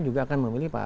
juga akan memilih pak